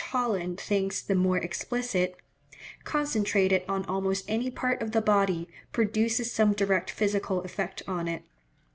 Holland thinks the more explicit) concentrated on almost any part of the body produces some direct physical effect on it.